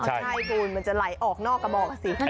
ใช่คุณมันจะไหลออกนอกกระบอกสิ